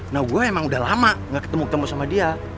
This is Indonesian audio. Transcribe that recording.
nah gue emang udah lama gak ketemu ketemu sama dia